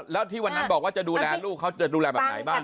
แล้วที่วันนั้นบอกว่าจะดูแลลูกเขาจะดูแลแบบไหนบ้าง